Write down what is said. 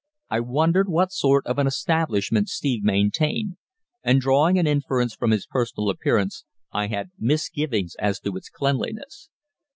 I wondered what sort of an establishment Steve maintained, and drawing an inference from his personal appearance, I had misgivings as to its cleanliness.